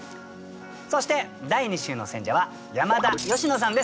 そして第２週の選者は山田佳乃さんです。